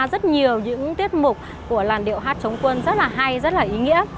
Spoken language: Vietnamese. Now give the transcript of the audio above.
rất nhiều những tiết mục của làn điệu hát chống quân rất là hay rất là ý nghĩa